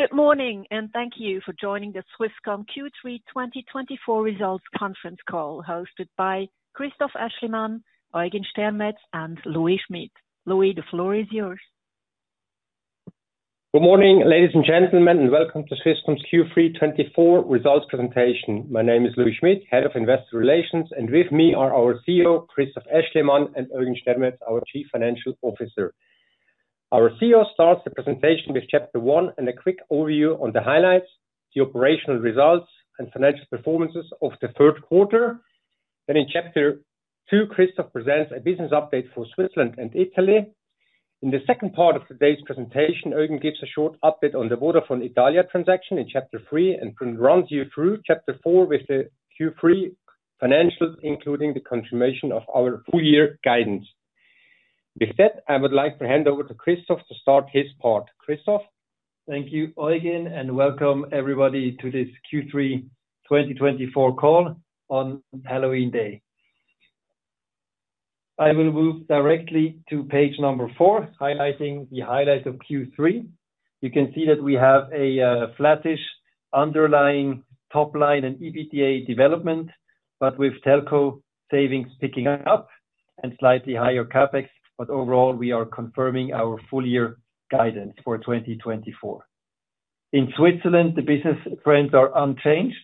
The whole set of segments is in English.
Good morning, and thank you for joining the Swisscom Q3 2024 Results Conference Call hosted by Christoph Aeschlimann, Eugen Stermetz, and Louis Schmid. Louis, the floor is yours. Good morning, ladies and gentlemen, and welcome to Swisscom's Q3 2024 results presentation. My name is Louis Schmid, Head of Investor Relations, and with me are our CEO, Christoph Aeschlimann, and Eugen Stermetz, our Chief Financial Officer. Our CEO starts the presentation with Chapter one and a quick overview on the highlights, the operational results, and financial performances of the third quarter. Then, in Chapter two, Christoph presents a business update for Switzerland and Italy. In the second part of today's presentation, Eugen gives a short update on the Vodafone Italia transaction in Chapter three and runs you through Chapter four with the Q3 financials, including the confirmation of our full-year guidance. With that, I would like to hand over to Christoph to start his part. Christoph. Thank you, Eugen, and welcome everybody to this Q3 2024 call on Halloween Day. I will move directly to page number four, highlighting the highlights of Q3. You can see that we have a flattish underlying top line and EBITDA development, but with telco savings picking up and slightly higher CapEx. But overall, we are confirming our full-year guidance for 2024. In Switzerland, the business trends are unchanged,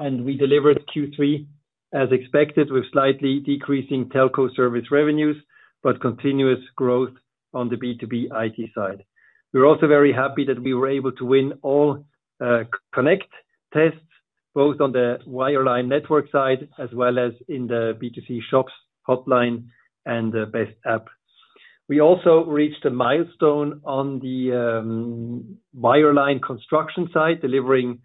and we delivered Q3 as expected with slightly decreasing telco service revenues but continuous growth on the B2B IT side. We're also very happy th at we were able to win all Connect tests, both on the wireline network side as well as in the B2C shops hotline and the Best App. We also reached a milestone on the wireline construction side, delivering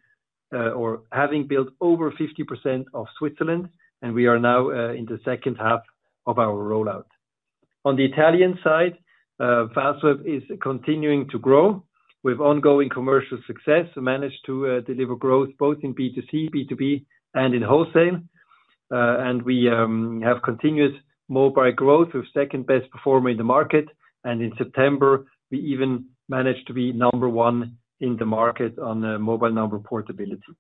or having built over 50% of Switzerland, and we are now in the second half of our rollout. On the Italian side, Fastweb is continuing to grow with ongoing commercial success. Managed to deliver growth both in B2C, B2B, and in wholesale. And we have continuous mobile growth, the second best performer in the market. And in September, we even managed to be number one in the market on mobile number portability.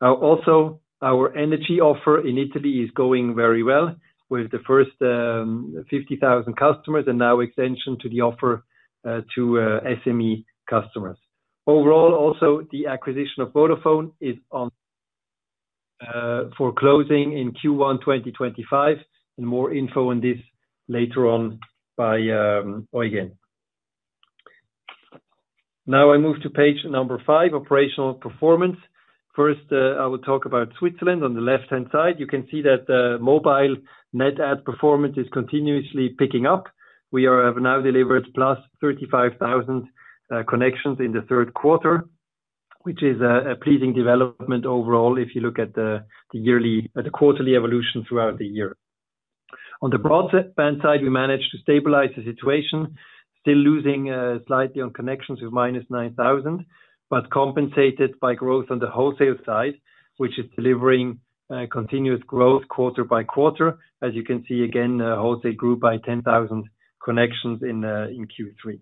Now, also, our energy offer in Italy is going very well with the first 50,000 customers and now extension to the offer to SME customers. Overall, also, the acquisition of Vodafone is for closing in Q1 2025, and more info on this later on by Eugen. Now, I move to page number five, operational performance. First, I will talk about Switzerland on the left-hand side. You can see that the mobile net add performance is continuously picking up. We have now delivered plus 35,000 connections in the third quarter, which is a pleasing development overall if you look at the quarterly evolution throughout the year. On the broadband side, we managed to stabilize the situation, still losing slightly on connections with minus 9,000, but compensated by growth on the wholesale side, which is delivering continuous growth quarter by quarter. As you can see, again, wholesale grew by 10,000 connections in Q3.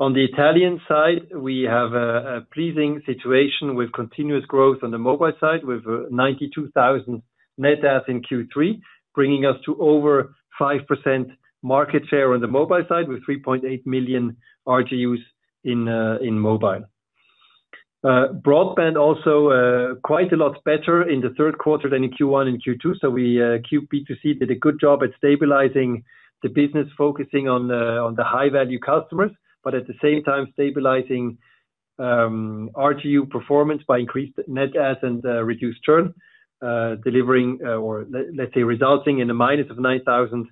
On the Italian side, we have a pleasing situation with continuous growth on the mobile side with 92,000 net adds in Q3, bringing us to over 5% market share on the mobile side with 3.8 million RGUs in mobile. Broadband, also, quite a lot better in the third quarter than in Q1 and Q2. So we Q2 B2C did a good job at stabilizing the business, focusing on the high-value customers, but at the same time stabilizing RGU performance by increased net adds and reduced churn, delivering, or let's say, resulting in a minus of 9,000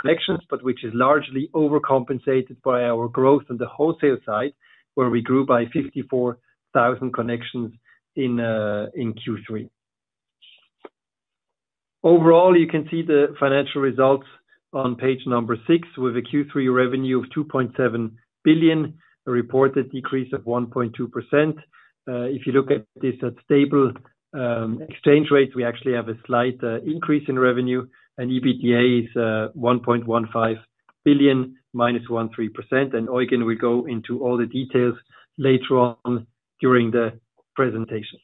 connections, but which is largely overcompensated by our growth on the wholesale side, where we grew by 54,000 connections in Q3. Overall, you can see the financial results on page 6 with a Q3 revenue of 2.7 billion, a reported decrease of 1.2%. If you look at this at stable exchange rates, we actually have a slight increase in revenue, and EBITDA is 1.15 billion, minus 1.3%. And Eugen will go into all the details later on during the presentation.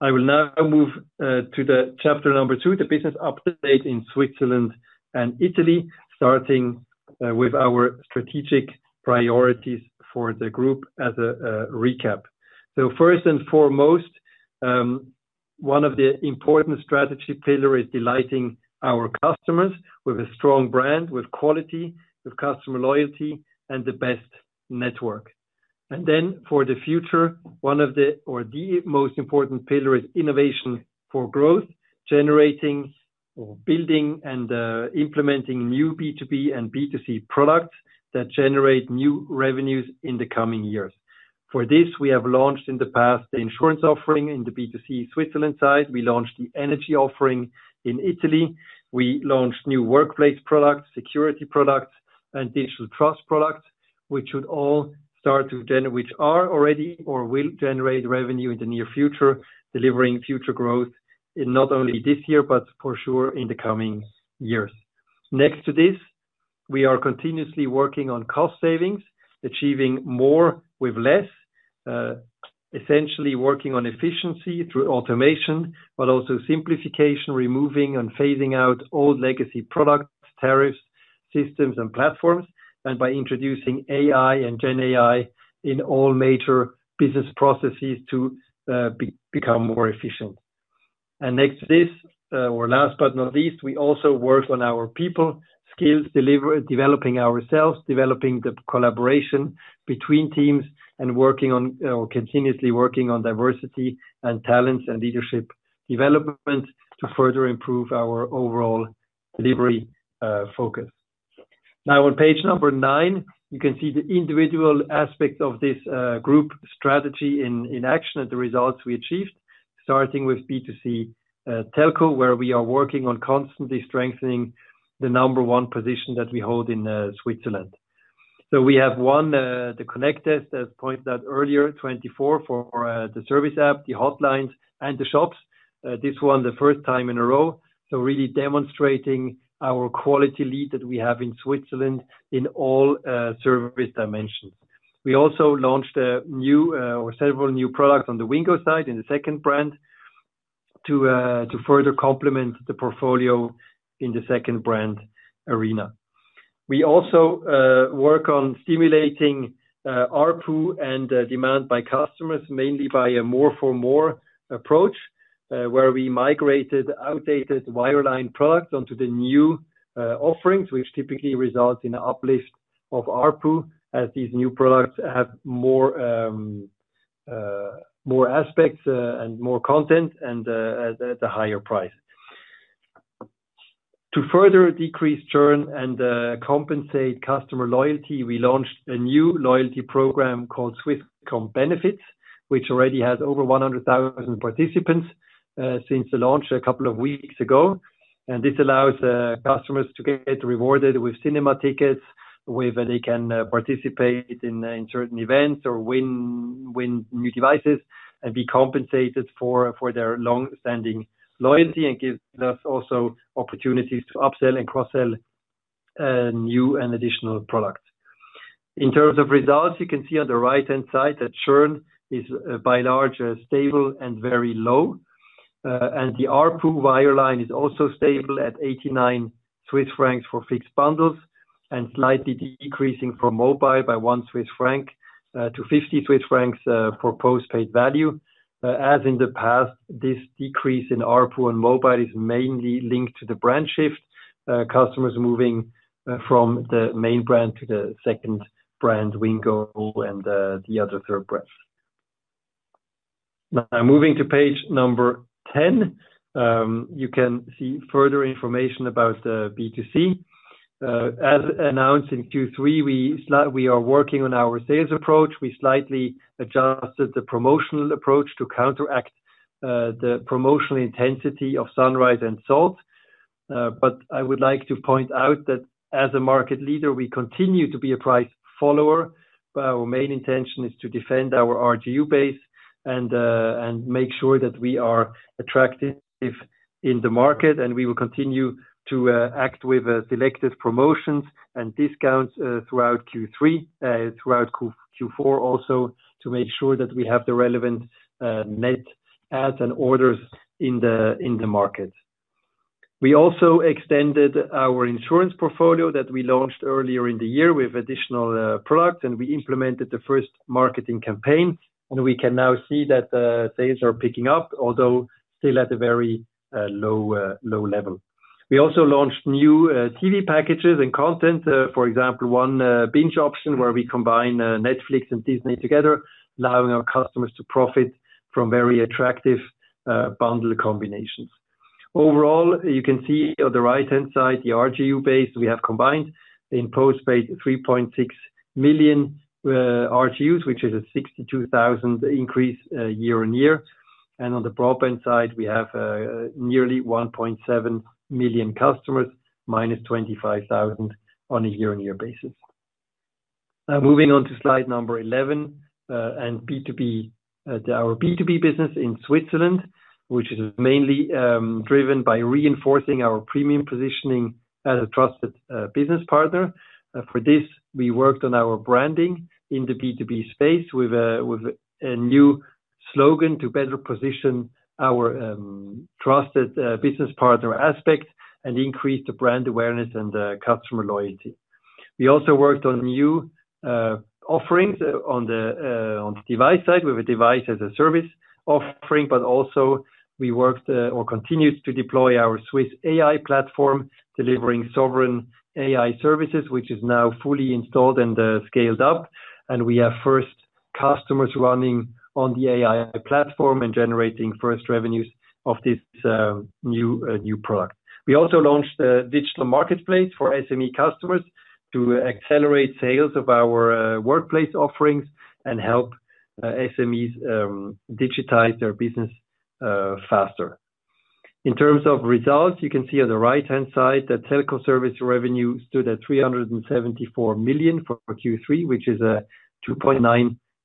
I will now move to Chapter 2, the business update in Switzerland and Italy, starting with our strategic priorities for the group as a recap. First and foremost, one of the important strategy pillars is delighting our customers with a strong brand, with quality, with customer loyalty, and the best network. Then for the future, one of the, or the most important pillar is innovation for growth, generating or building and implementing new B2B and B2C products that generate new revenues in the coming years. For this, we have launched in the past the insurance offering in the B2C Switzerland side. We launched the energy offering in Italy. We launched new workplace products, security products, and digital trust products, which should all start to, which are already or will generate revenue in the near future, delivering future growth not only this year, but for sure in the coming years. Next to this, we are continuously working on cost savings, achieving more with less, essentially working on efficiency through automation, but also simplification, removing and phasing out old legacy products, tariffs, systems, and platforms, and by introducing AI and GenAI in all major business processes to become more efficient, and next to this, or last but not least, we also work on our people skills, developing ourselves, developing the collaboration between teams, and working on, or continuously working on diversity and talents and leadership development to further improve our overall delivery focus. Now, on page number 9, you can see the individual aspects of this group strategy in action and the results we achieved, starting with B2C telco, where we are working on constantly strengthening the number one position that we hold in Switzerland. So we have one, the Connect test, as pointed out earlier, 24 for the service app, the hotlines, and the shops. This one, the first time in a row, so really demonstrating our quality lead that we have in Switzerland in all service dimensions. We also launched a new, or several new products on the Wingo side in the second brand to further complement the portfolio in the second brand arena. We also work on stimulating ARPU and demand by customers, mainly by a more for more approach, where we migrated outdated wireline products onto the new offerings, which typically results in an uplift of ARPU as these new products have more aspects and more content and at a higher price. To further decrease churn and compensate customer loyalty, we launched a new loyalty program called Swisscom Benefits, which already has over 100,000 participants since the launch a couple of weeks ago, and this allows customers to get rewarded with cinema tickets, with they can participate in certain events or win new devices and be compensated for their long-standing loyalty and gives us also opportunities to upsell and cross-sell new and additional products. In terms of results, you can see on the right-hand side that churn is by large stable and very low, and the ARPU wireline is also stable at 89 Swiss francs for fixed bundles and slightly decreasing for mobile by 1 Swiss franc - 50 Swiss francs for postpaid value. As in the past, this decrease in ARPU on mobile is mainly linked to the brand shift, customers moving from the main brand to the second brand, Wingo, and the other third brands. Now, moving to page number 10, you can see further information about the B2C. As announced in Q3, we are working on our sales approach. We slightly adjusted the promotional approach to counteract the promotional intensity of Sunrise and Salt. But I would like to point out that as a market leader, we continue to be a price follower, but our main intention is to defend our RGU base and make sure that we are attractive in the market, and we will continue to act with selective promotions and discounts throughout Q3, throughout Q4 also, to make sure that we have the relevant net adds and orders in the market. We also extended our insurance portfolio that we launched earlier in the year with additional products, and we implemented the first marketing campaign, and we can now see that sales are picking up, although still at a very low level. We also launched new TV packages and content, for example, one Binge option where we combine Netflix and Disney together, allowing our customers to profit from very attractive bundle combinations. Overall, you can see on the right-hand side the RGU base we have combined in postpaid 3.6 million RGUs, which is a 62,000 increase year-on-year, and on the broadband side, we have nearly 1.7 million customers, minus 25,000 on a year-on-year basis. Now, moving on to slide number 11 and B2B, our B2B business in Switzerland, which is mainly driven by reinforcing our premium positioning as a trusted business partner. For this, we worked on our branding in the B2B space with a new slogan to better position our trusted business partner aspect and increase the brand awareness and customer loyalty. We also worked on new offerings on the device side with a Device as a Service offering, but also we worked or continued to deploy our Swiss AI platform, delivering sovereign AI services, which is now fully installed and scaled up. And we have first customers running on the AI platform and generating first revenues of this new product. We also launched the digital marketplace for SME customers to accelerate sales of our workplace offerings and help SMEs digitize their business faster. In terms of results, you can see on the right-hand side that telco service revenue stood at 374 million for Q3, which is a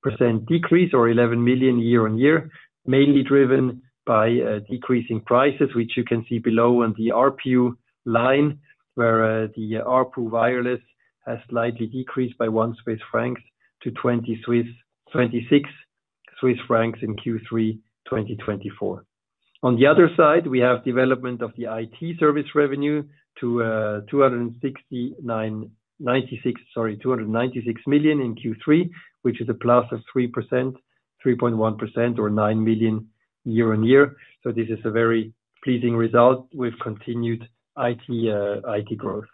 2.9% decrease or 11 million year-on-year, mainly driven by decreasing prices, which you can see below on the ARPU line, where the ARPU wireless has slightly decreased by 1 Swiss francs to 26 Swiss francs in Q3 2024. On the other side, we have development of the IT service revenue to 296 million in Q3, which is a plus of 3%, 3.1% or 9 million year-on-year. So this is a very pleasing result with continued IT growth.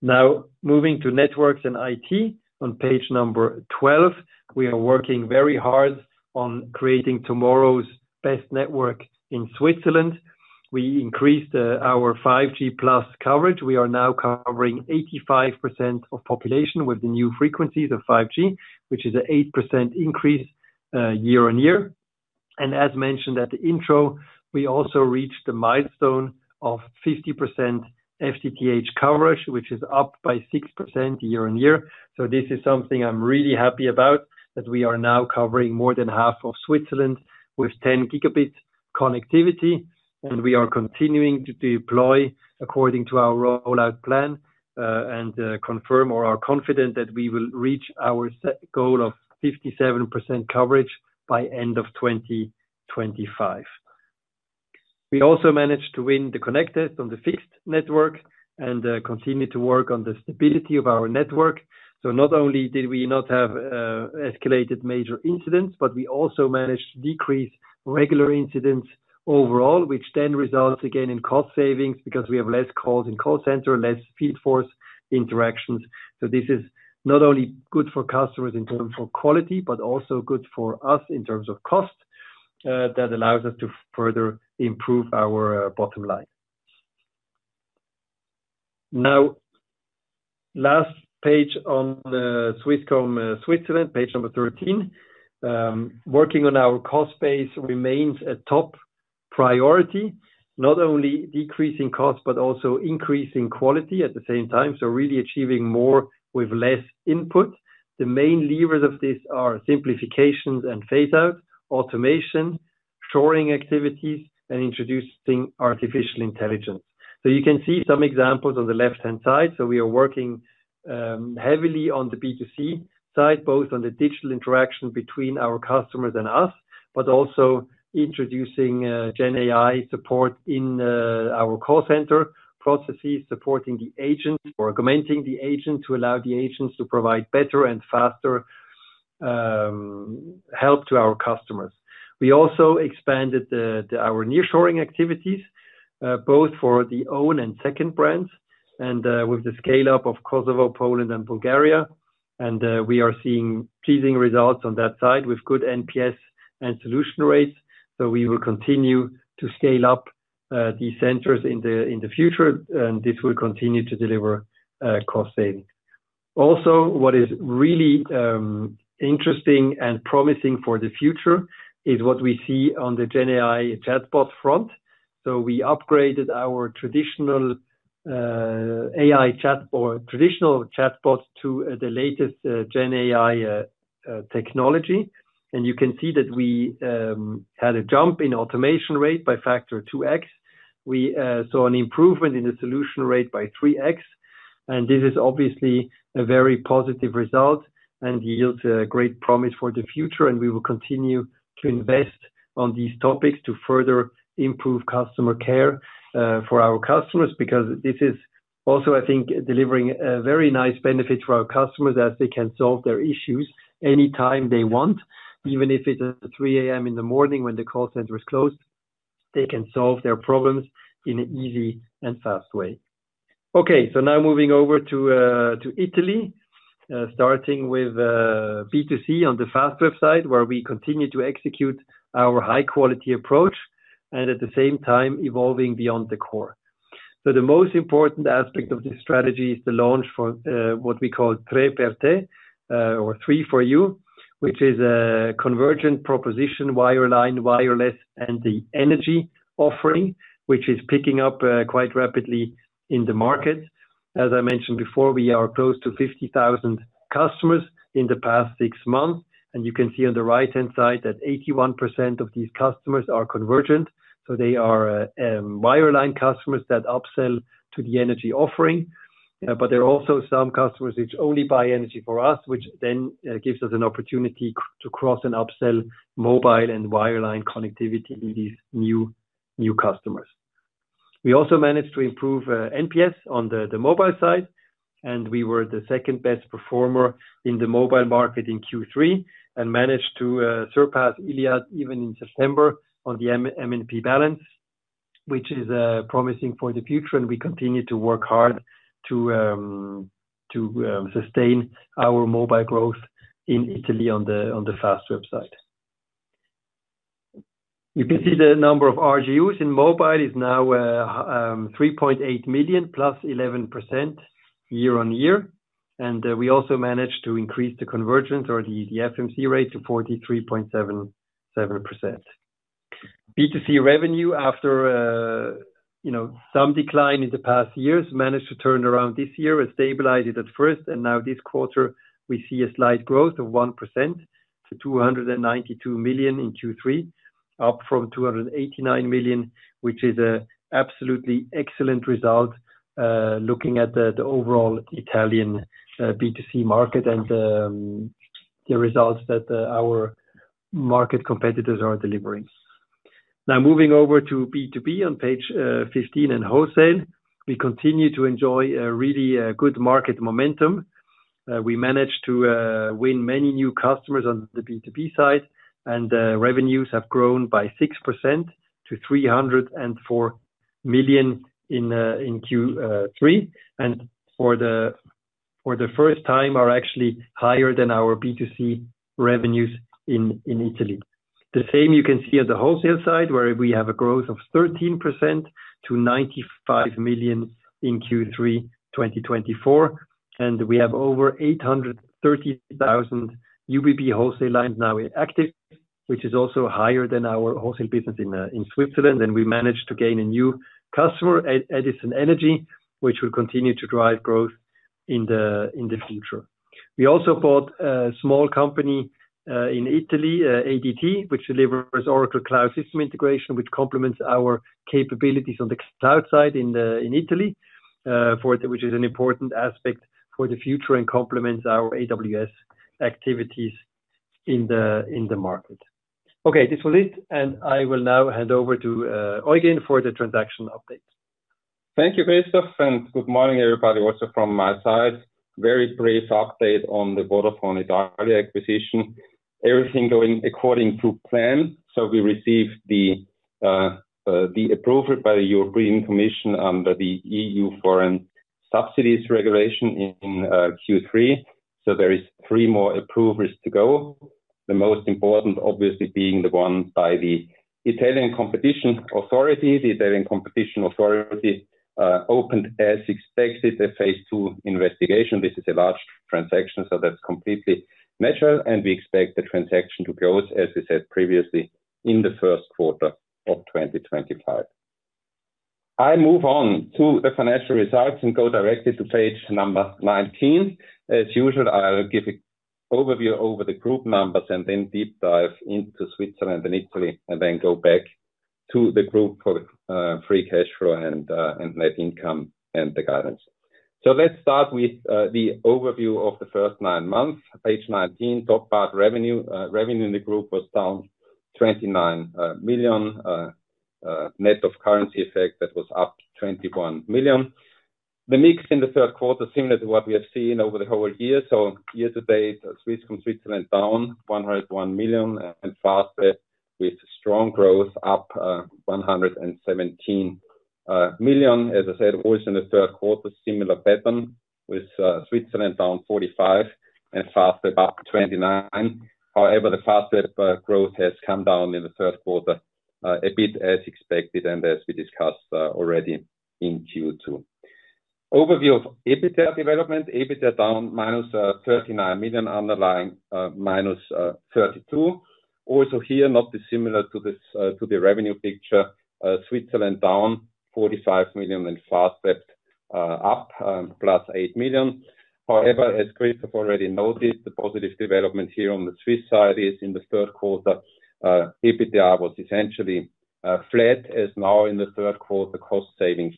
Now, moving to networks and IT, on page number 12, we are working very hard on creating tomorrow's best network in Switzerland. We increased our 5G+ coverage. We are now covering 85% of population with the new frequencies of 5G, which is an 8% increase year-on-year. As mentioned at the intro, we also reached the milestone of 50% FTTH coverage, which is up by 6% year-on-year. This is something I'm really happy about, that we are now covering more than half of Switzerland with 10 gigabit connectivity. We are continuing to deploy according to our rollout plan and confirm, or are confident that we will reach our goal of 57% coverage by end of 2025. We also managed to win the Connect test on the fixed network and continue to work on the stability of our network. So not only did we not have escalated major incidents, but we also managed to decrease regular incidents overall, which then results again in cost savings because we have less calls in call center, less field force interactions. So this is not only good for customers in terms of quality, but also good for us in terms of cost that allows us to further improve our bottom line. Now, last page on Swisscom Switzerland, page number 13, working on our cost base remains a top priority, not only decreasing cost, but also increasing quality at the same time. So really achieving more with less input. The main levers of this are simplifications and phase-out, automation, shoring activities, and introducing artificial intelligence. So you can see some examples on the left-hand side. So we are working heavily on the B2C side, both on the digital interaction between our customers and us, but also introducing GenAI support in our call center processes, supporting the agent or augmenting the agent to allow the agents to provide better and faster help to our customers. We also expanded our nearshoring activities, both for the own and second brands, and with the scale-up of Kosovo, Poland, and Bulgaria. And we are seeing pleasing results on that side with good NPS and solution rates. So we will continue to scale up these centers in the future, and this will continue to deliver cost savings. Also, what is really interesting and promising for the future is what we see on the GenAI chatbot front. So we upgraded our traditional AI chatbot to the latest GenAI technology. You can see that we had a jump in automation rate by factor 2x. We saw an improvement in the solution rate by 3x. This is obviously a very positive result and yields a great promise for the future. We will continue to invest on these topics to further improve customer care for our customers because this is also, I think, delivering a very nice benefit for our customers as they can solve their issues anytime they want, even if it's at 3:00 A.M. in the morning when the call center is closed, they can solve their problems in an easy and fast way. Okay, so now moving over to Italy, starting with B2C on the Fastweb, where we continue to execute our high-quality approach and at the same time evolving beyond the core. The most important aspect of this strategy is the launch for what we call Tre Per Te, or Three for You, which is a convergent proposition, wireline, wireless, and the energy offering, which is picking up quite rapidly in the market. As I mentioned before, we are close to 50,000 customers in the past six months. And you can see on the right-hand side that 81% of these customers are convergent. So they are wireline customers that upsell to the energy offering. But there are also some customers which only buy energy for us, which then gives us an opportunity to cross and upsell mobile and wireline connectivity to these new customers. We also managed to improve NPS on the mobile side, and we were the second best performer in the mobile market in Q3 and managed to surpass Iliad even in September on the MNP balance, which is promising for the future. We continue to work hard to sustain our mobile growth in Italy on the Fastweb. You can see the number of RGUs in mobile is now 3.8 million plus 11% year-on-year. We also managed to increase the convergence or the FMC rate to 43.7%. B2C revenue, after some decline in the past years, managed to turn around this year and stabilize it at first. Now this quarter, we see a slight growth of 1% to 292 million in Q3, up from 289 million, which is an absolutely excellent result looking at the overall Italian B2C market and the results that our market competitors are delivering. Now, moving over to B2B on page 15 and wholesale, we continue to enjoy a really good market momentum. We managed to win many new customers on the B2B side, and revenues have grown by 6% to 304 million in Q3. And for the first time, are actually higher than our B2C revenues in Italy. The same you can see on the wholesale side, where we have a growth of 13% to 95 million in Q3 2024. And we have over 830,000 UBB wholesale lines now active, which is also higher than our wholesale business in Switzerland. We managed to gain a new customer, Edison Energy, which will continue to drive growth in the future. We also bought a small company in Italy, ADT, which delivers Oracle Cloud System Integration, which complements our capabilities on the cloud side in Italy, which is an important aspect for the future and complements our AWS activities in the market. Okay, this was it. I will now hand over to Eugen for the transaction update. Thank you, Christoph, and good morning, everybody, also from my side. Very brief update on the Vodafone Italia acquisition. Everything going according to plan. We received the approval by the European Commission under the EU Foreign Subsidies Regulation in Q3. There are three more approvals to go. The most important, obviously, being the one by the Italian Competition Authority. The Italian Competition Authority opened, as expected, a phase two investigation. This is a large transaction, so that's completely natural. And we expect the transaction to close, as we said previously, in the first quarter of 2025. I move on to the financial results and go directly to page number 19. As usual, I'll give an overview over the group numbers and then deep dive into Switzerland and Italy, and then go back to the group for free cash flow and net income and the guidance. So let's start with the overview of the first nine months. Page 19, top part revenue. Revenue in the group was down 29 million. Net of currency effect, that was up 21 million. The mix in the third quarter is similar to what we have seen over the whole year. So year-to-date, Swisscom Switzerland down 101 million and Fastweb with strong growth, up 117 million. As I said, always in the third quarter, similar pattern with Switzerland down 45 million and Fastweb up 29 million. However, the Fastweb growth has come down in the third quarter a bit, as expected, and as we discussed already in Q2. Overview of EBITDA development. EBITDA down minus 39 million, underlying minus 32 million. Also here, not dissimilar to the revenue picture. Switzerland down 45 million and Fastweb up plus 8 million. However, as Christoph already noted, the positive development here on the Swiss side is in the third quarter, EBITDA was essentially flat, as now in the third quarter, cost savings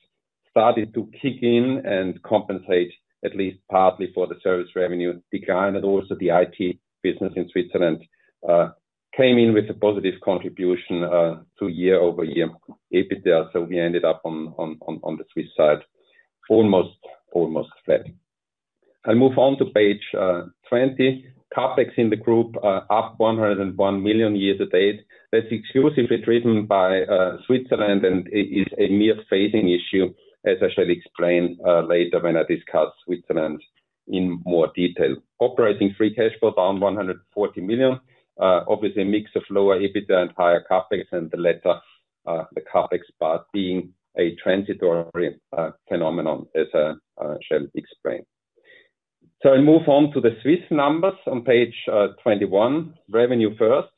started to kick in and compensate at least partly for the service revenue decline, and also the IT business in Switzerland came in with a positive contribution to year-over-year EBITDA, so we ended up on the Swiss side almost flat. I'll move on to page 20. CapEx in the group up 101 million year-to-date. That's exclusively driven by Switzerland and is a mere phasing issue, as I shall explain later when I discuss Switzerland in more detail. Operating free cash flow down 140 million. Obviously, a mix of lower EBITDA and higher CapEx, and the latter, the CapEx part being a transitory phenomenon, as I shall explain. So I'll move on to the Swiss numbers on page 21. Revenue first,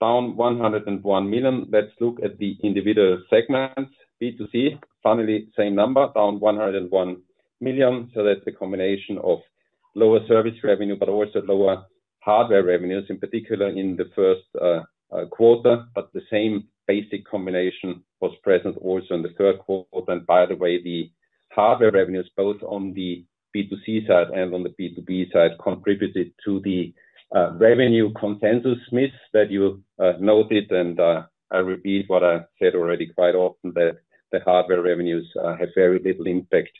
down 101 million. Let's look at the individual segments. B2C, finally, same number, down 101 million. So that's a combination of lower service revenue, but also lower hardware revenues, in particular in the first quarter. But the same basic combination was present also in the third quarter. And by the way, the hardware revenues, both on the B2C side and on the B2B side, contributed to the revenue consensus miss that you noted. I repeat what I said already quite often, that the hardware revenues have very little impact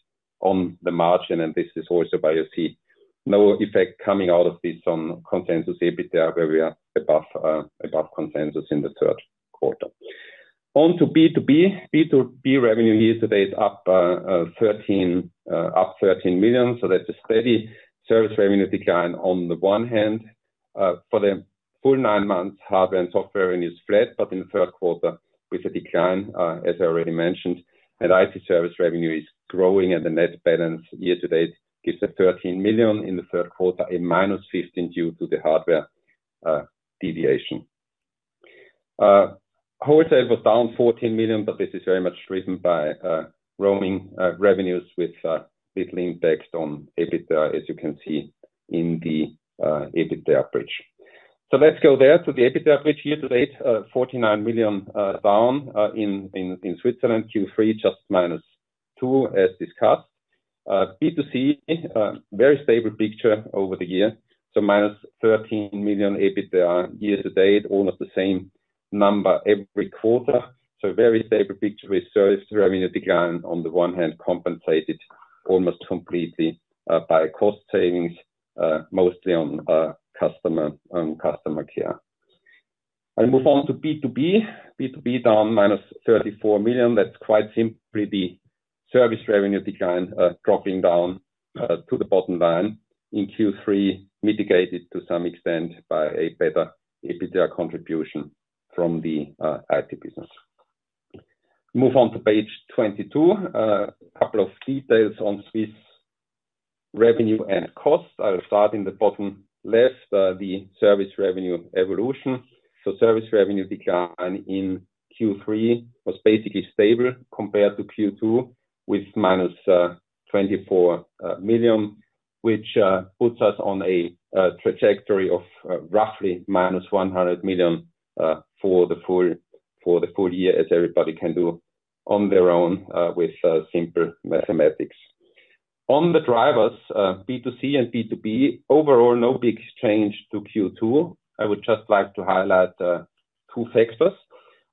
on the margin. This is also why you see no effect coming out of this on consensus EBITDA, where we are above consensus in the third quarter. On to B2B. B2B revenue year-to-date up 13 million. So that's a steady service revenue decline on the one hand. For the full nine months, hardware and software revenue is flat, but in the third quarter, with a decline, as I already mentioned. And IT service revenue is growing, and the net balance year-to-date gives a 13 million in the third quarter, a minus 15 million due to the hardware deviation. Wholesale was down 14 million, but this is very much driven by roaming revenues with little impact on EBITDA, as you can see in the EBITDA bridge. So let's go there to the EBITDA bridge year-to-date, 49 million down in Switzerland. Q3, just minus 2 million, as discussed. B2C, very stable picture over the year. So minus 13 million EBITDA year-to-date, almost the same number every quarter. So very stable picture with service revenue decline on the one hand, compensated almost completely by cost savings, mostly on customer care. I'll move on to B2B. B2B down minus 34 million. That's quite simply the service revenue decline dropping down to the bottom line in Q3, mitigated to some extent by a better EBITDA contribution from the IT business. Move on to page 22. A couple of details on Swiss revenue and cost. I'll start in the bottom left, the service revenue evolution. Service revenue decline in Q3 was basically stable compared to Q2 with -24 million, which puts us on a trajectory of roughly -100 million for the full year, as everybody can do on their own with simple mathematics. On the drivers, B2C and B2B, overall, no big change to Q2. I would just like to highlight two factors.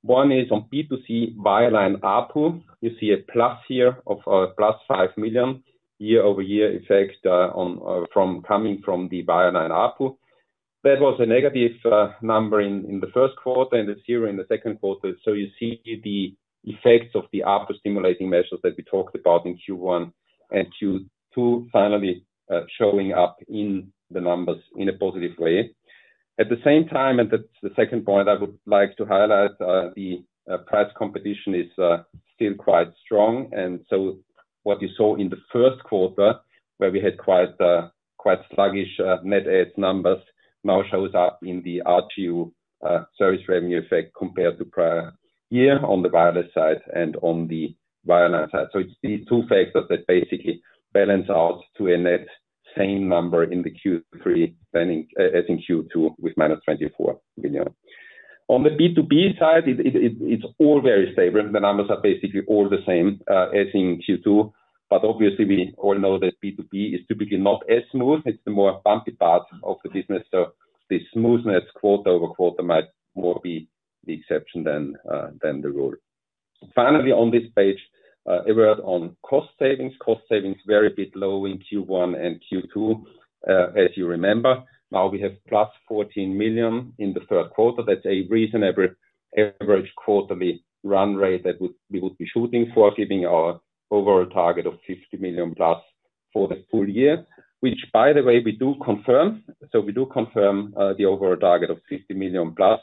One is on B2C, wireline ARPU. You see a plus here of +5 million year-over-year effect from coming from the wireline ARPU. That was a negative number in the first quarter and a zero in the second quarter. So you see the effects of the ARPU stimulating measures that we talked about in Q1 and Q2, finally showing up in the numbers in a positive way. At the same time, and that's the second point I would like to highlight, the price competition is still quite strong, and so what you saw in the first quarter, where we had quite sluggish net adds numbers, now shows up in the RGU service revenue effect compared to prior year on the wireless side and on the wireline side, so it's these two factors that basically balance out to a net same number in the Q3 as in Q2 with -24 million. On the B2B side, it's all very stable. The numbers are basically all the same as in Q2, but obviously, we all know that B2B is typically not as smooth. It's the more bumpy part of the business, so the smoothness quarter over quarter might more be the exception than the rule. Finally, on this page, a word on cost savings. Cost savings were a bit low in Q1 and Q2, as you remember. Now we have plus 14 million in the third quarter. That's a reasonable average quarterly run rate that we would be shooting for, giving our overall target of 50 million plus for the full year, which, by the way, we do confirm. So we do confirm the overall target of 50 million plus,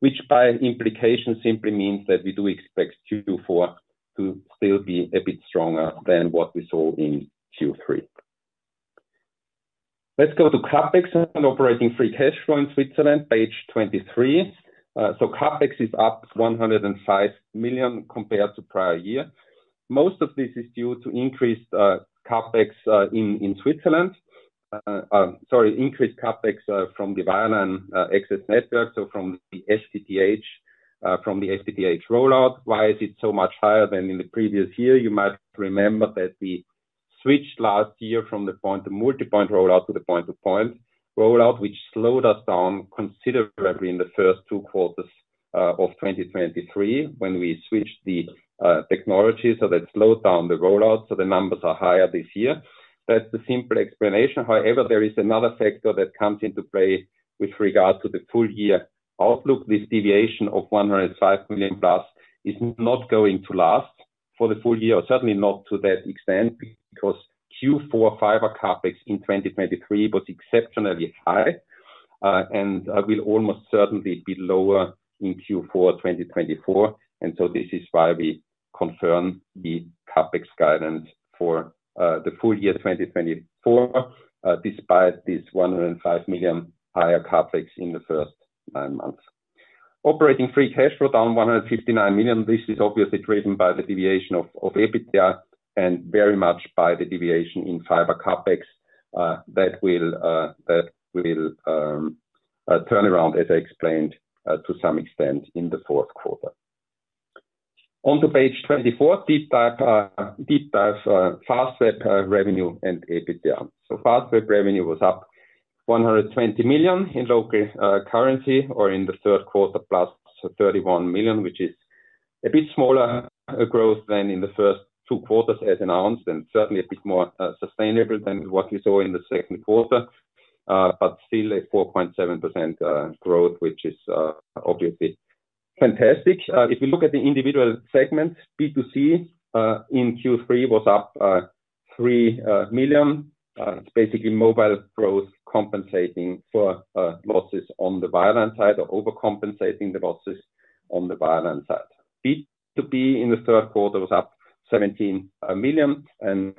which by implication simply means that we do expect Q4 to still be a bit stronger than what we saw in Q3. Let's go to CapEx and operating free cash flow in Switzerland, page 23. So CapEx is up 105 million compared to prior year. Most of this is due to increased CapEx in Switzerland. Sorry, increased CapEx from the wireline access network, so from the FTTH rollout. Why is it so much higher than in the previous year? You might remember that we switched last year from the point-to-multipoint rollout to the point-to-point rollout, which slowed us down considerably in the first two quarters of 2023 when we switched the technology. So that slowed down the rollout. So the numbers are higher this year. That's the simple explanation. However, there is another factor that comes into play with regard to the full year outlook. This deviation of 105 million plus is not going to last for the full year, certainly not to that extent, because Q4 fiber CapEx in 2023 was exceptionally high and will almost certainly be lower in Q4 2024. And so this is why we confirm the CapEx guidance for the full year 2024, despite this 105 million higher CapEx in the first nine months. Operating free cash flow down 159 million. This is obviously driven by the deviation of EBITDA and very much by the deviation in fiber CapEx that will turn around, as I explained, to some extent in the fourth quarter. On to page 24, deep dive Fastweb revenue and EBITDA. So Fastweb revenue was up 120 million in local currency, or in the third quarter, plus 31 million, which is a bit smaller growth than in the first two quarters, as announced, and certainly a bit more sustainable than what we saw in the second quarter, but still a 4.7% growth, which is obviously fantastic. If we look at the individual segments, B2C in Q3 was up 3 million. It's basically mobile growth compensating for losses on the wireline side or overcompensating the losses on the wireline side. B2B in the third quarter was up 17 million, and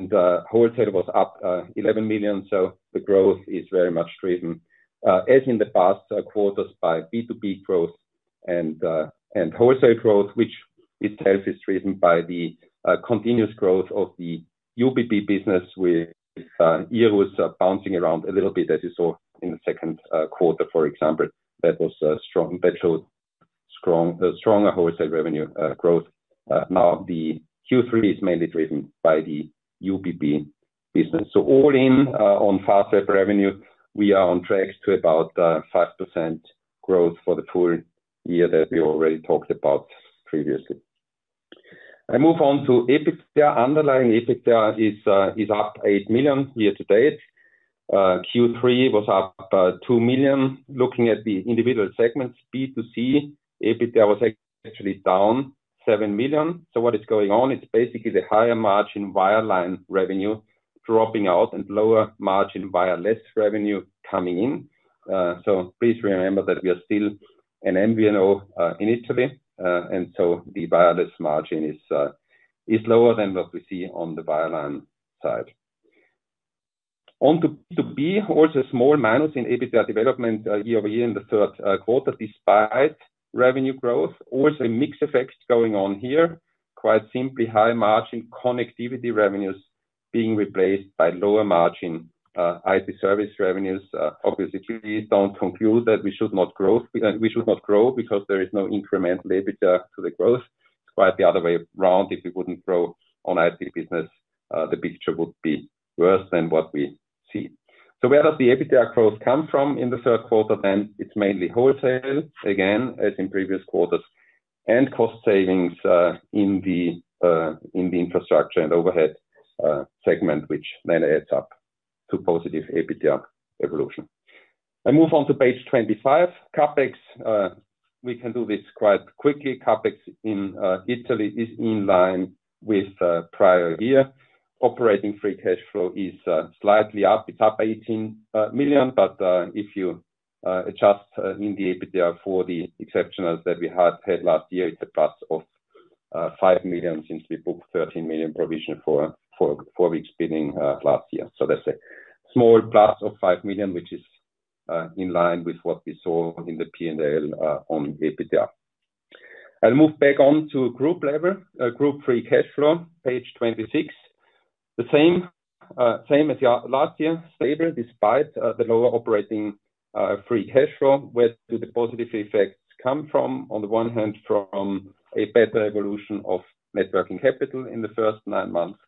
wholesale was up 11 million. So the growth is very much driven, as in the past quarters, by B2B growth and wholesale growth, which itself is driven by the continuous growth of the UBB business with EBITDA bouncing around a little bit, as you saw in the second quarter, for example. That showed stronger wholesale revenue growth. Now the Q3 is mainly driven by the UBB business. So all in on Fastweb revenue, we are on track to about 5% growth for the full year that we already talked about previously. I move on to EBITDA. Underlying EBITDA is up 8 million year-to-date. Q3 was up 2 million. Looking at the individual segments, B2C EBITDA was actually down 7 million. So what is going on? It's basically the higher margin wireline revenue dropping out and lower margin wireless revenue coming in. So please remember that we are still an MVNO in Italy. And so the wireless margin is lower than what we see on the wireline side. On to B2B, also small minus in EBITDA development year-over-year in the third quarter, despite revenue growth. Also a mixed effect going on here. Quite simply, high margin connectivity revenues being replaced by lower margin IT service revenues. Obviously, please don't conclude that we should not grow because there is no incremental EBITDA to the growth. It's quite the other way around. If we wouldn't grow on IT business, the picture would be worse than what we see. So where does the EBITDA growth come from in the third quarter? Then it's mainly wholesale, again, as in previous quarters, and cost savings in the infrastructure and overhead segment, which then adds up to positive EBITDA evolution. I move on to page 25. CapEx, we can do this quite quickly. CapEx in Italy is in line with prior year. Operating free cash flow is slightly up. It's up 18 million, but if you adjust in the EBITDA for the exceptional that we had had last year, it's a plus of 5 million since we booked 13 million provision for four weeks beginning last year, so that's a small plus of 5 million, which is in line with what we saw in the P&L on EBITDA. I'll move back on to group level, group free cash flow, page 26. The same as last year, stable, despite the lower operating free cash flow. Where do the positive effects come from? On the one hand, from a better evolution of working capital in the first nine months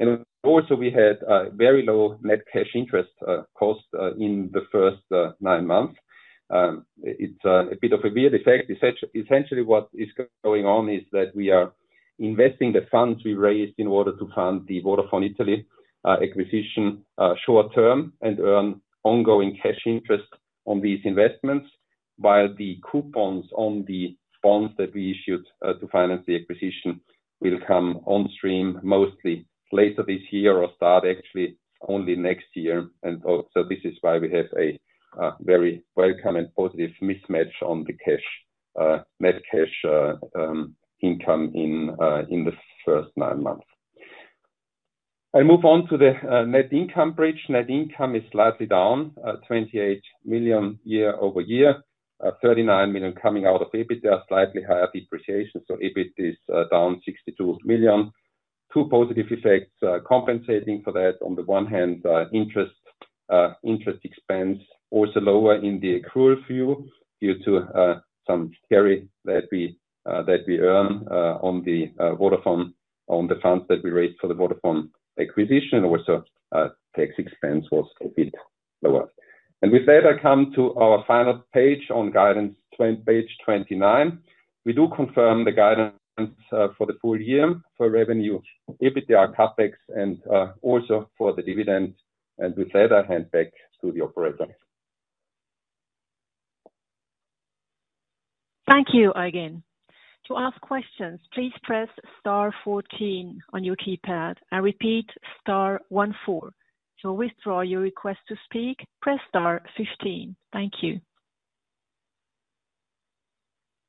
and also, we had a very low net cash interest cost in the first nine months. It's a bit of a weird effect. Essentially, what is going on is that we are investing the funds we raised in order to fund the Vodafone Italia acquisition short term and earn ongoing cash interest on these investments, while the coupons on the bonds that we issued to finance the acquisition will come on stream mostly later this year or start actually only next year, and so this is why we have a very welcome and positive mismatch on the net cash income in the first nine months. I'll move on to the net income bridge. Net income is slightly down, 28 million year-over-year, 39 million coming out of EBITDA, slightly higher depreciation, so EBIT is down 62 million. Two positive effects compensating for that. On the one hand, interest expense also lower in the accrual view due to some carry that we earn on the Vodafone, on the funds that we raised for the Vodafone acquisition. Also, tax expense was a bit lower. And with that, I come to our final page on guidance, page 29. We do confirm the guidance for the full year for revenue, EBITDA, CapEx, and also for the dividend. And with that, I hand back to the operator. Thank you, Eugen. To ask questions, please press star 14 on your keypad and repeat star 14. To withdraw your request to speak, press star 15. Thank you.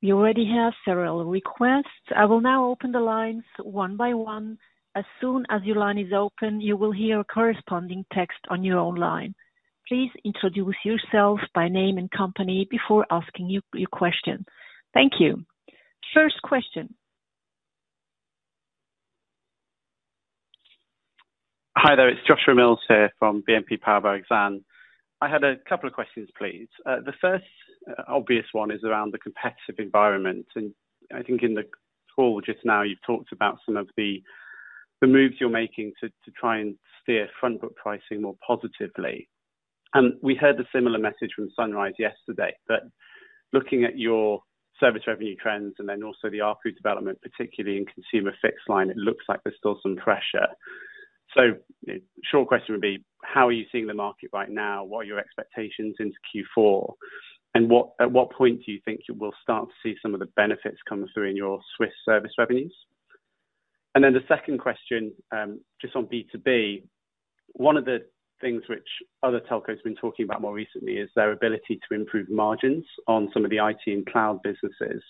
You already have several requests. I will now open the lines one by one. As soon as your line is open, you will hear corresponding text on your own line. Please introduce yourself by name and company before asking your question. Thank you. First question. Hi there, it's Joshua Mills here from BNP Paribas. I had a couple of questions, please. The first obvious one is around the competitive environment, and I think in the call just now, you've talked about some of the moves you're making to try and steer front-book pricing more positively, and we heard a similar message from Sunrise yesterday that looking at your service revenue trends and then also the ARPU development, particularly in consumer fixed line, it looks like there's still some pressure, so short question would be, how are you seeing the market right now? What are your expectations into Q4, and at what point do you think you will start to see some of the benefits come through in your Swiss service revenues? Then the second question, just on B2B, one of the things which other telcos have been talking about more recently is their ability to improve margins on some of the IT and cloud businesses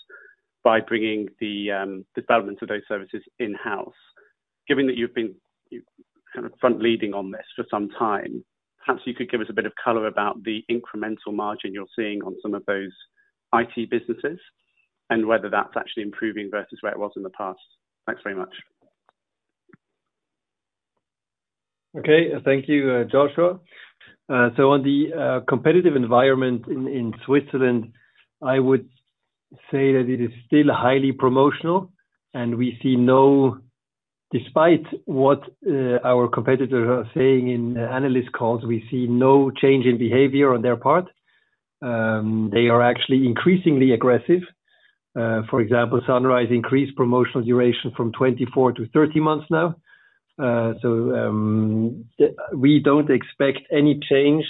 by bringing the development of those services in-house. Given that you've been kind of front-leading on this for some time, perhaps you could give us a bit of color about the incremental margin you're seeing on some of those IT businesses and whether that's actually improving versus where it was in the past. Thanks very much. Okay, thank you, Joshua. So on the competitive environment in Switzerland, I would say that it is still highly promotional, and we see no, despite what our competitors are saying in analyst calls, we see no change in behavior on their part. They are actually increasingly aggressive. For example, Sunrise increased promotional duration from 24-30 months now. So we don't expect any change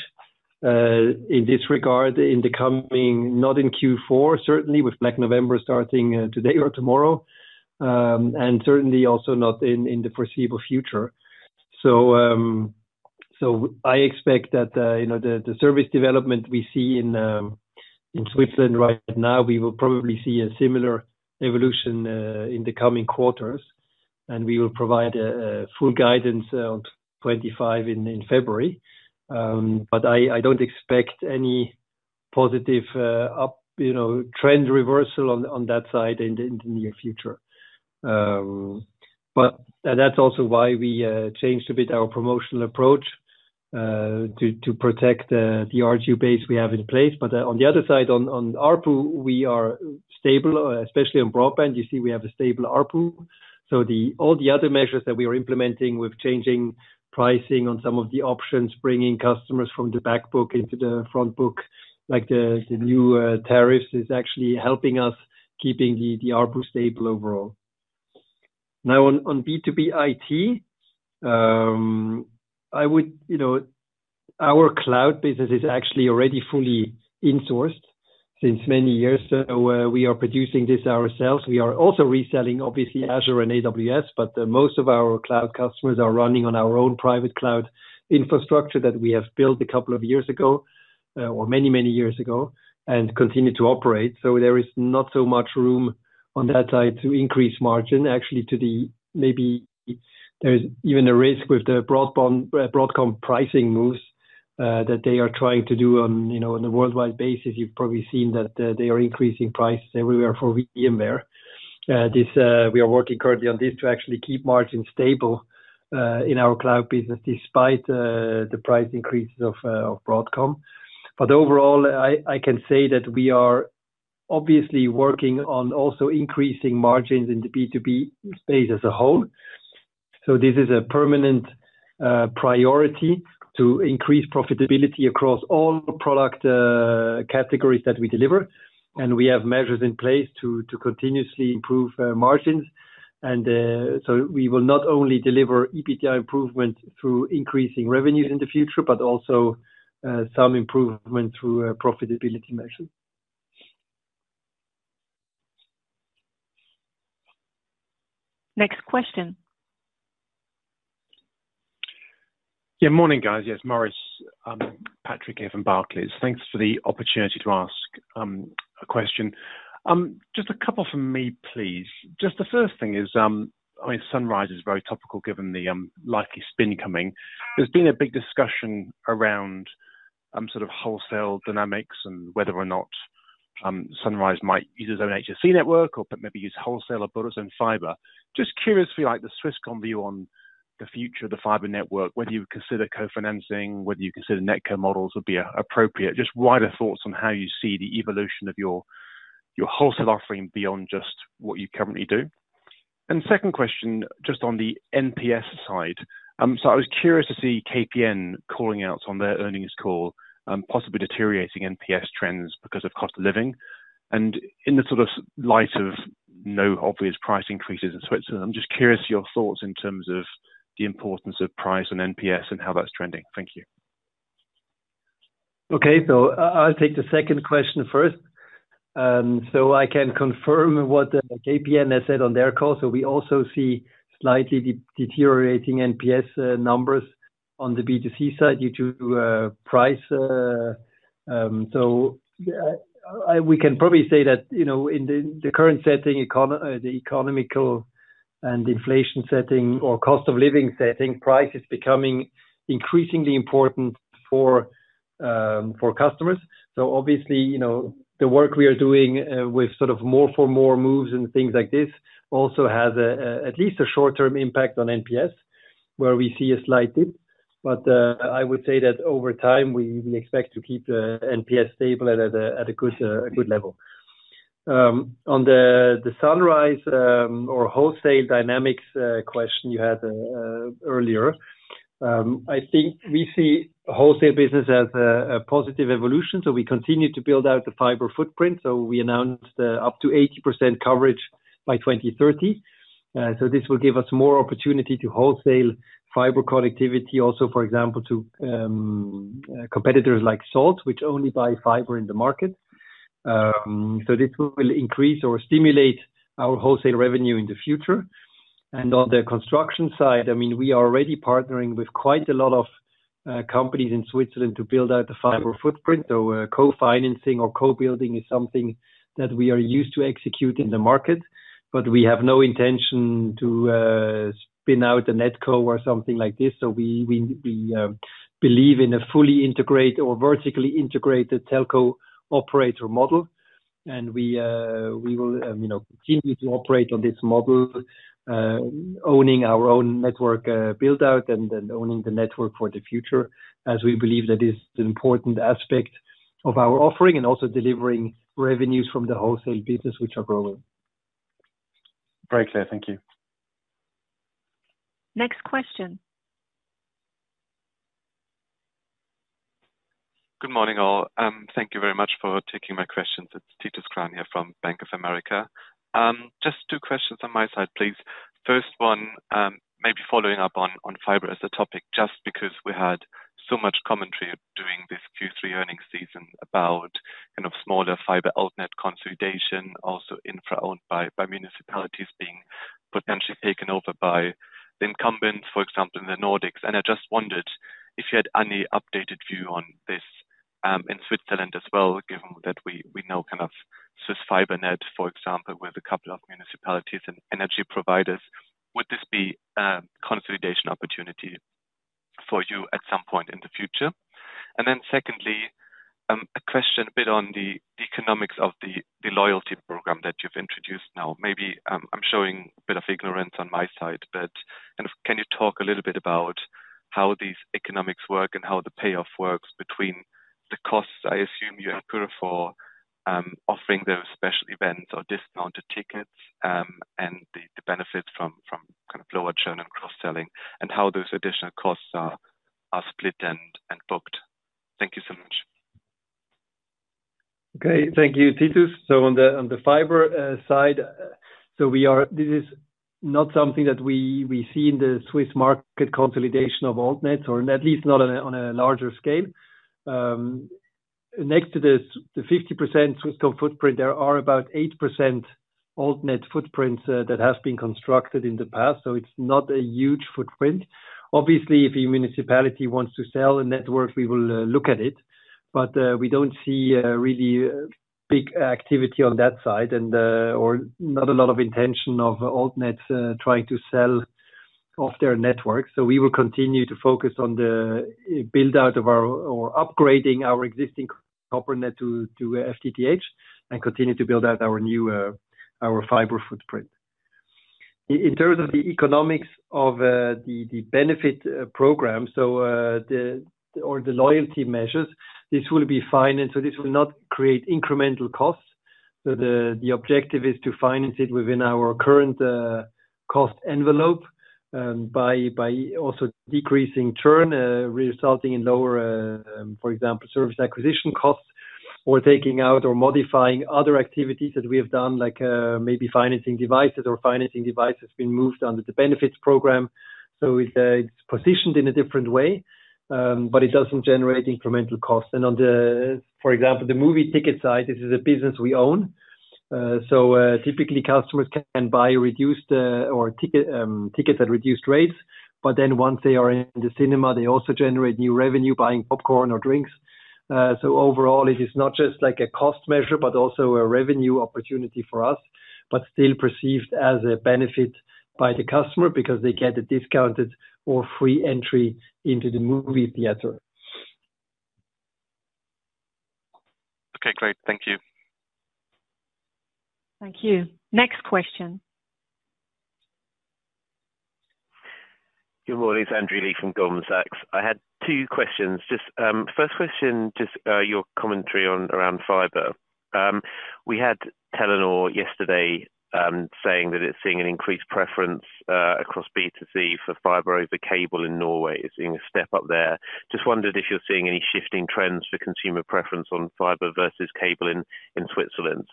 in this regard in the coming, not in Q4, certainly with Black November starting today or tomorrow, and certainly also not in the foreseeable future. So I expect that the service development we see in Switzerland right now, we will probably see a similar evolution in the coming quarters, and we will provide full guidance on 25 in February. But I don't expect any positive trend reversal on that side in the near future. But that's also why we changed a bit our promotional approach to protect the RGU base we have in place. But on the other side, on ARPU, we are stable, especially on broadband. You see we have a stable ARPU. All the other measures that we are implementing with changing pricing on some of the options, bringing customers from the back book into the front book, like the new tariffs, is actually helping us keeping the ARPU stable overall. Now, on B2B IT, our cloud business is actually already fully insourced since many years. So we are producing this ourselves. We are also reselling, obviously, Azure and AWS, but most of our cloud customers are running on our own private cloud infrastructure that we have built a couple of years ago or many, many years ago and continue to operate. So there is not so much room on that side to increase margin, actually. There may be even a risk with the Broadcom pricing moves that they are trying to do on a worldwide basis. You've probably seen that they are increasing prices everywhere for VMware. We are working currently on this to actually keep margins stable in our cloud business despite the price increases of Broadcom. But overall, I can say that we are obviously working on also increasing margins in the B2B space as a whole. So this is a permanent priority to increase profitability across all product categories that we deliver. And we have measures in place to continuously improve margins. And so we will not only deliver EBITDA improvement through increasing revenues in the future, but also some improvement through profitability measures. Next question. Good morning, guys. Yes, Maurice Patrick from Barclays. Thanks for the opportunity to ask a question. Just a couple from me, please. Just the first thing is, I mean, Sunrise is very topical given the likely spin coming. There's been a big discussion around sort of wholesale dynamics and whether or not Sunrise might use its own HFC network or maybe use wholesale or build its own fiber. Just curiously, like the Swisscom view on the future of the fiber network, whether you would consider co-financing, whether you consider NetCo models would be appropriate. Just wider thoughts on how you see the evolution of your wholesale offering beyond just what you currently do? And second question, just on the NPS side. So I was curious to see KPN calling out on their earnings call, possibly deteriorating NPS trends because of cost of living. And in the sort of light of no obvious price increases in Switzerland, I'm just curious your thoughts in terms of the importance of price on NPS and how that's trending? Thank you. Okay, so I'll take the second question first. So I can confirm what KPN has said on their call. So we also see slightly deteriorating NPS numbers on the B2C side due to price. So we can probably say that in the current setting, the economic and inflation setting or cost of living setting, price is becoming increasingly important for customers. So obviously, the work we are doing with sort of more for more moves and things like this also has at least a short-term impact on NPS, where we see a slight dip. But I would say that over time, we expect to keep NPS stable at a good level. On the Sunrise or wholesale dynamics question you had earlier, I think we see wholesale business as a positive evolution. So we continue to build out the fiber footprint. So we announced up to 80% coverage by 2030. This will give us more opportunity to wholesale fiber connectivity also, for example, to competitors like Salt, which only buy fiber in the market. So this will increase or stimulate our wholesale revenue in the future. And on the construction side, I mean, we are already partnering with quite a lot of companies in Switzerland to build out the fiber footprint. So co-financing or co-building is something that we are used to execute in the market, but we have no intention to spin out a NetCo or something like this. So we believe in a fully integrated or vertically integrated telco operator model. And we will continue to operate on this model, owning our own network build-out and owning the network for the future, as we believe that is an important aspect of our offering and also delivering revenues from the wholesale business, which are growing. Very clear. Thank you. Next question. Good morning, all. Thank you very much for taking my questions. It's Titus Krahn here from Bank of America. Just two questions on my side, please. First one, maybe following up on fiber as a topic, just because we had so much commentary during this Q3 earnings season about kind of smaller fiber AltNets consolidation, also infra owned by municipalities being potentially taken over by the incumbents, for example, in the Nordics. And I just wondered if you had any updated view on this in Switzerland as well, given that we know kind of Swiss Fibre Net, for example, with a couple of municipalities and energy providers. Would this be a consolidation opportunity for you at some point in the future? And then secondly, a question a bit on the economics of the loyalty program that you've introduced now. Maybe I'm showing a bit of ignorance on my side, but kind of can you talk a little bit about how these economics work and how the payoff works between the costs, I assume you incur for offering those special events or discounted tickets and the benefits from kind of lower churn and cross-selling and how those additional costs are split and booked? Thank you so much. Okay, thank you, Titus. So on the fiber side, so this is not something that we see in the Swiss market consolidation of AltNets, or at least not on a larger scale. Next to the 50% Swisscom footprint, there are about 8% AltNet footprints that have been constructed in the past. So it's not a huge footprint. Obviously, if a municipality wants to sell a network, we will look at it. But we don't see really big activity on that side and/or not a lot of intention of AltNets trying to sell off their network. So we will continue to focus on the build-out of our or upgrading our existing copper net to FTTH and continue to build out our fiber footprint. In terms of the economics of the benefit program, or the loyalty measures, this will be financed. So this will not create incremental costs. So the objective is to finance it within our current cost envelope by also decreasing churn, resulting in lower, for example, service acquisition costs or taking out or modifying other activities that we have done, like maybe financing devices or financing devices being moved under the benefits program. So it's positioned in a different way, but it doesn't generate incremental costs. And on the, for example, the movie ticket side, this is a business we own. So typically, customers can buy reduced-rate tickets at reduced rates. But then once they are in the cinema, they also generate new revenue buying popcorn or drinks. So overall, it is not just like a cost measure, but also a revenue opportunity for us, but still perceived as a benefit by the customer because they get a discounted or free entry into the movie theater. Okay, great. Thank you. Thank you. Next question. Good morning, Andrew Lee from Goldman Sachs. I had two questions. Just first question, just your commentary around fiber. We had Telenor yesterday saying that it's seeing an increased preference across B2C for fiber over cable in Norway. It's seeing a step up there. Just wondered if you're seeing any shifting trends for consumer preference on fiber versus cable in Switzerland?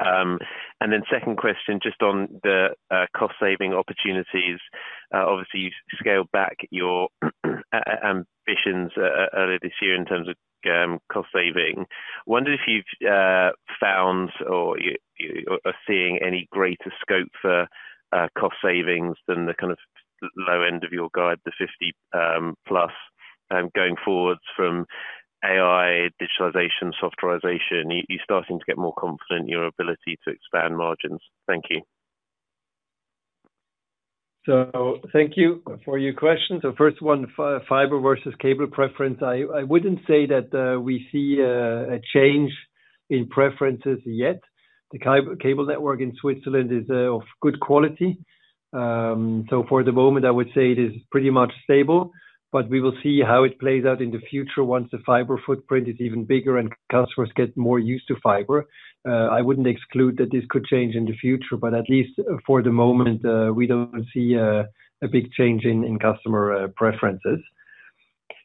And then second question, just on the cost-saving opportunities. Obviously, you scaled back your ambitions earlier this year in terms of cost-saving. Wondered if you've found or are seeing any greater scope for cost savings than the kind of low end of your guide, the 50 plus, going forwards from AI, digitalization, softwarization. You're starting to get more confident in your ability to expand margins. Thank you. So thank you for your question. So first one, fiber versus cable preference. I wouldn't say that we see a change in preferences yet. The cable network in Switzerland is of good quality. So for the moment, I would say it is pretty much stable. But we will see how it plays out in the future once the fiber footprint is even bigger and customers get more used to fiber. I wouldn't exclude that this could change in the future, but at least for the moment, we don't see a big change in customer preferences.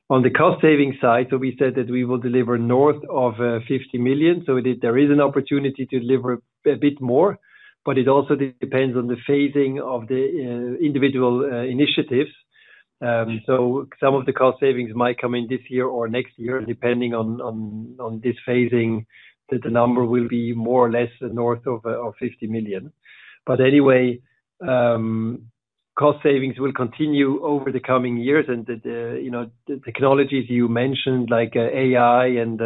On the cost-saving side, so we said that we will deliver north of 50 million. So there is an opportunity to deliver a bit more, but it also depends on the phasing of the individual initiatives. So some of the cost savings might come in this year or next year, depending on this phasing, that the number will be more or less north of 50 million. But anyway, cost savings will continue over the coming years. And the technologies you mentioned, like AI and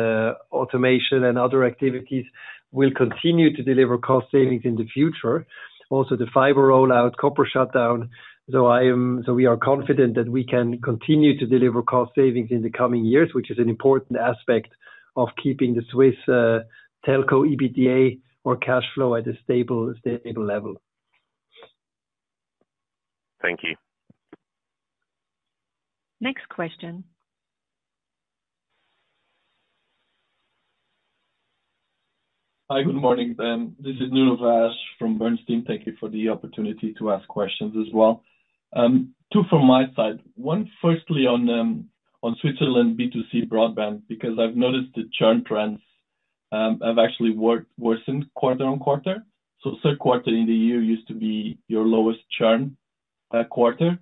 automation and other activities, will continue to deliver cost savings in the future. Also, the fiber rollout, copper shutdown. So we are confident that we can continue to deliver cost savings in the coming years, which is an important aspect of keeping the Swiss telco EBITDA or cash flow at a stable level. Thank you. Next question. Hi, good morning. This is Nuno Vaz from Bernstein. Thank you for the opportunity to ask questions as well. Two from my side. One, firstly on Switzerland B2C broadband, because I've noticed the churn trends have actually worsened quarter on quarter. So third quarter in the year used to be your lowest churn quarter,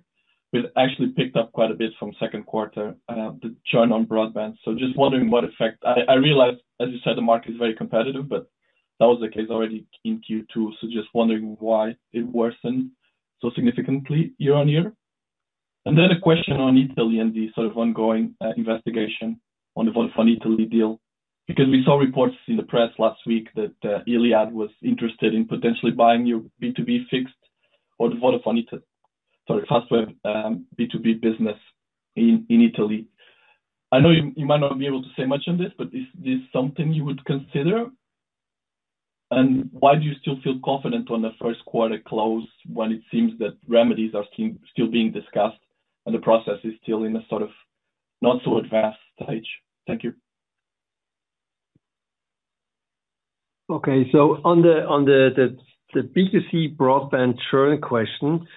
but it actually picked up quite a bit from second quarter, the churn on broadband. So just wondering what effect I realized, as you said, the market is very competitive, but that was the case already in Q2. So just wondering why it worsened so significantly year-on-year. And then a question on Italy and the sort of ongoing investigation on the Vodafone Italy deal, because we saw reports in the press last week that Iliad was interested in potentially buying your B2B fixed or the Vodafone Italy, sorry, Fastweb B2B business in Italy. I know you might not be able to say much on this, but is this something you would consider? And why do you still feel confident on the first quarter close when it seems that remedies are still being discussed and the process is still in a sort of not so advanced stage? Thank you. Okay, so on the B2C broadband churn question,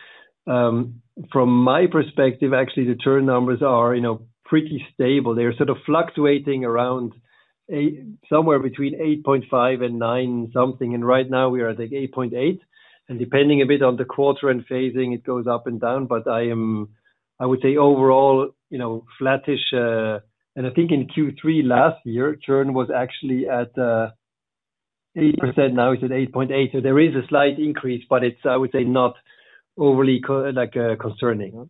from my perspective, actually, the churn numbers are pretty stable. They're sort of fluctuating around somewhere between 8.5 and 9 something. And right now, we are at 8.8. And depending a bit on the quarter and phasing, it goes up and down. But I would say overall, flattish. And I think in Q3 last year, churn was actually at 8%. Now it's at 8.8%. So there is a slight increase, but it's, I would say, not overly concerning.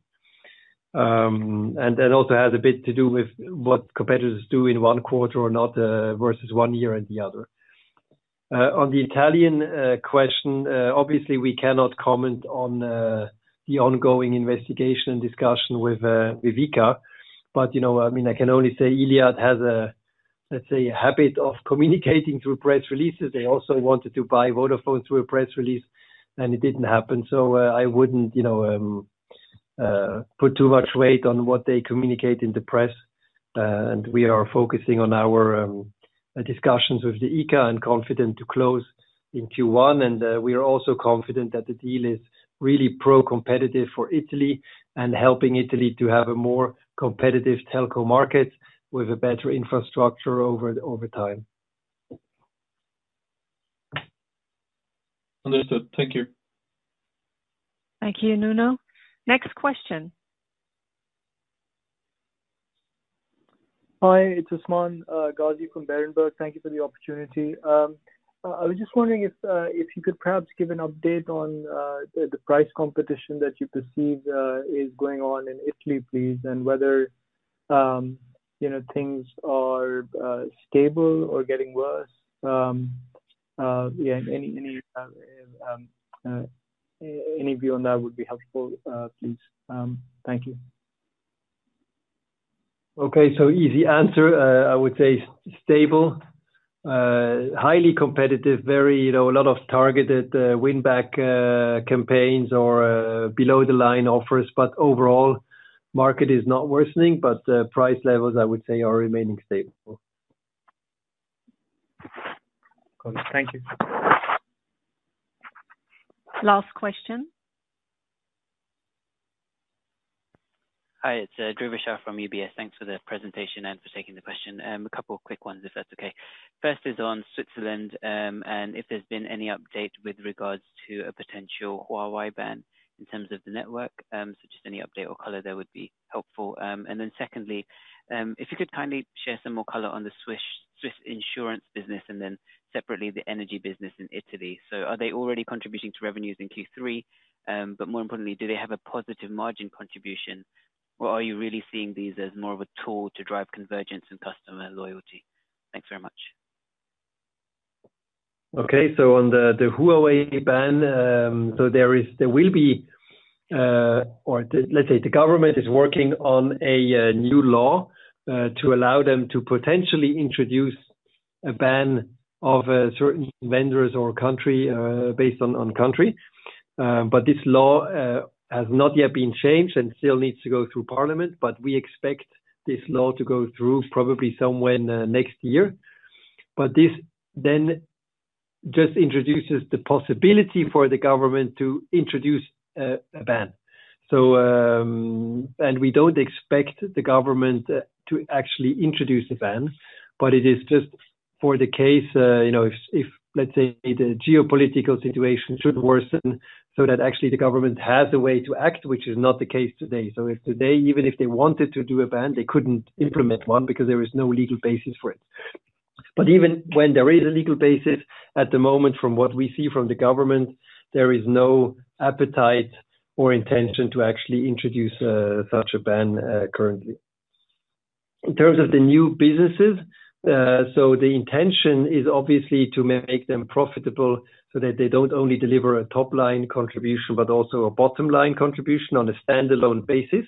And that also has a bit to do with what competitors do in one quarter or not versus one year and the other. On the Italian question, obviously, we cannot comment on the ongoing investigation and discussion with Vodafone. But I mean, I can only say Iliad has, let's say, a habit of communicating through press releases. They also wanted to buy Vodafone through a press release, and it didn't happen. So I wouldn't put too much weight on what they communicate in the press. And we are focusing on our discussions with Vodafone and confident to close in Q1. And we are also confident that the deal is really pro-competitive for Italy and helping Italy to have a more competitive telco market with a better infrastructure over time. Understood. Thank you. Thank you, Nuno. Next question. Hi, it's Usman Ghazi from Berenberg. Thank you for the opportunity. I was just wondering if you could perhaps give an update on the price competition that you perceive is going on in Italy, please, and whether things are stable or getting worse? Yeah, any view on that would be helpful, please. Thank you. Okay, so easy answer. I would say stable, highly competitive, very a lot of targeted win-back campaigns or below-the-line offers. But overall, market is not worsening, but price levels, I would say, are remaining stable. Thank you. Last question. Hi, it's [Dhruv Gahlaut] from UBS. Thanks for the presentation and for taking the question. A couple of quick ones, if that's okay. First is on Switzerland and if there's been any update with regards to a potential Huawei ban in terms of the network, so just any update or color there would be helpful. And then secondly, if you could kindly share some more color on the Swiss insurance business and then separately the energy business in Italy. So are they already contributing to revenues in Q3? But more importantly, do they have a positive margin contribution, or are you really seeing these as more of a tool to drive convergence and customer loyalty? Thanks very much. Okay, so on the Huawei ban, so there will be, or let's say the government is working on a new law to allow them to potentially introduce a ban of certain vendors or country based on country. But this law has not yet been changed and still needs to go through parliament. But we expect this law to go through probably somewhere next year. But this then just introduces the possibility for the government to introduce a ban. And we don't expect the government to actually introduce a ban, but it is just for the case if, let's say, the geopolitical situation should worsen so that actually the government has a way to act, which is not the case today. So if today, even if they wanted to do a ban, they couldn't implement one because there is no legal basis for it. But even when there is a legal basis, at the moment, from what we see from the government, there is no appetite or intention to actually introduce such a ban currently. In terms of the new businesses, so the intention is obviously to make them profitable so that they don't only deliver a top-line contribution, but also a bottom-line contribution on a standalone basis.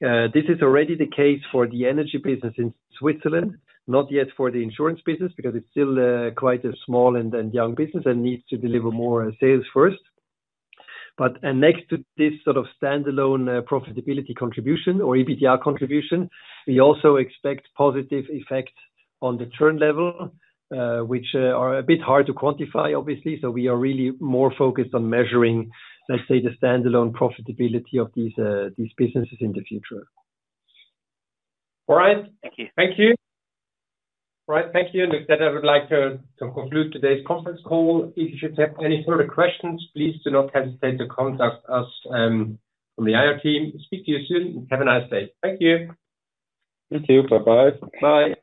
This is already the case for the energy business in Switzerland, not yet for the insurance business because it's still quite a small and young business and needs to deliver more sales first. But next to this sort of standalone profitability contribution or EBITDA contribution, we also expect positive effects on the churn level, which are a bit hard to quantify, obviously. So we are really more focused on measuring, let's say, the standalone profitability of these businesses in the future. All right. Thank you. Thank you. All right. Thank you. Looks that I would like to conclude today's conference call. If you should have any further questions, please do not hesitate to contact us from the IR team. Speak to you soon. Have a nice day. Thank you. You too. Bye-bye. Bye.